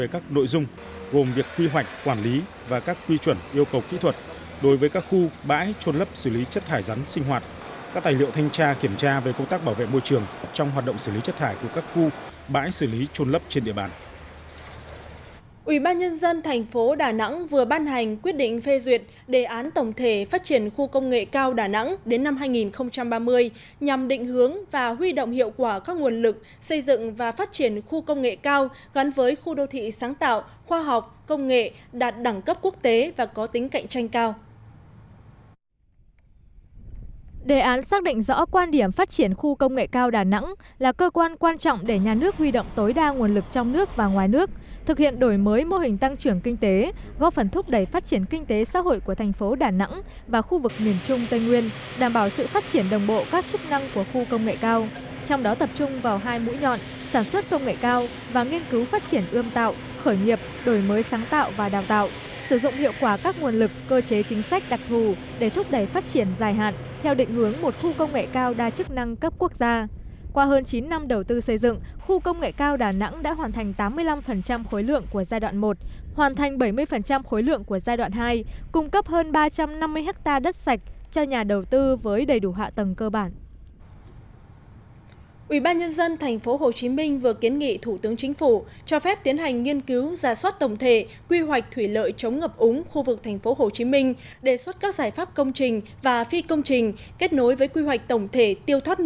cơ quan chức năng tỉnh đồng nai phối hợp cung cấp thông tin tài liệu về các nội dung gồm việc quy hoạch quản lý và các quy chuẩn yêu cầu kỹ thuật đối với các khu bãi trôn lấp xử lý chất thải rắn sinh hoạt